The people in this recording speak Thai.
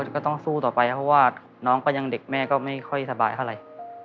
ก็ต้องสู้ต่อไปเพราะว่าน้องก็ยังเด็กแม่ก็ไม่ค่อยสบายเท่าไหร่